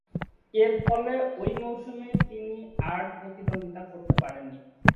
এরফলে ঐ মৌসুমে তিনি আর প্রতিদ্বন্দ্বিতা করতে পারেননি।